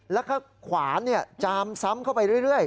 แล้วก็ขวานจามซ้ำเข้าไปเรื่อย